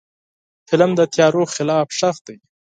فلم د تیارو خلاف غږ دی